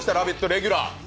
レギュラー。